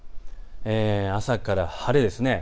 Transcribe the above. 朝から晴れです。